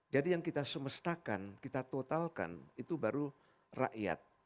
jadi yang kita semestakan kita totalkan itu baru rakyat